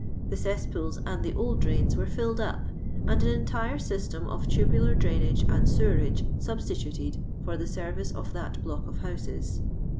The cesspool! and the old draina wen filled up, and an entire tyttem of tubular drainage and sewerage substituted for the serrice of that block of hnuset.